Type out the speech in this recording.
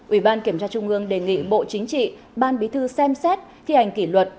ủy ban kiểm tra trung ương đề nghị bộ chính trị ban bí thư xem xét thi hành kỷ luật